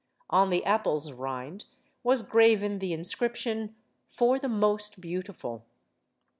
On the apple's rind was graven the inscription: 'Tor the most beautiful."